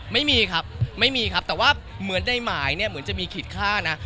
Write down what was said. ไม่มีครับไม่มีครับแต่ว่าเหมือนในหมายเนี่ยเหมือนจะมีขีดค่านะ